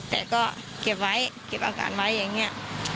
แต่ก็เก็บไว้เก็บอาการไว้อย่างนี้